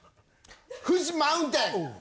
フジマウンテン。